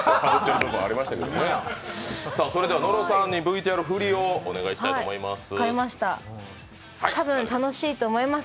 それでは野呂さんにＶＴＲ振りをお願いしたいと思います。